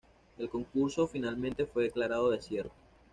El concurso finalmente fue declarado desierto.